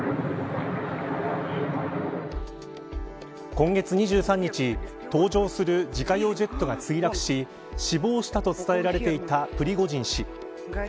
今月２３日搭乗する自家用ジェットが墜落し死亡したと伝えられていたプリゴジン氏。